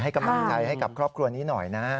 ให้กับครอบครัวนี้หน่อยนะ